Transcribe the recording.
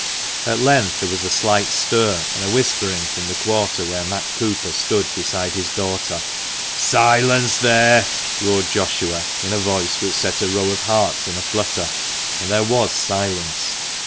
At length there was a slight stir and a whispering from the quarter where Matt Cooper stood beside his daughter. "Silence there!" roared Joshua, in a voice which set a row ot hearts in a flutter, and there was silence.